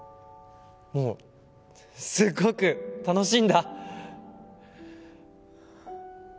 もうすごく楽しいんだ！